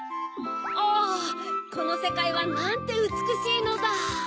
おぉこのせかいはなんてうつくしいのだ！